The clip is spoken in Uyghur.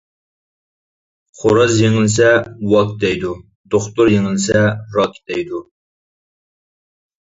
خوراز يېڭىلسە ۋاك دەيدۇ، دوختۇر يېڭىلسە راك دەيدۇ.